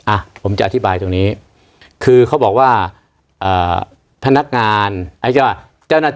อ่ะผมจะอธิบายตรงนี้คือเขาบอกว่าเอ่อพนักงานเอาใช่ไหม